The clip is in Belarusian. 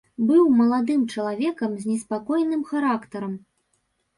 Быў маладым чалавекам з неспакойным характарам.